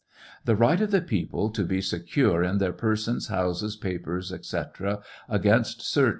"The right of the people to be secure in their persons, houses, papers, &c, against search, &c.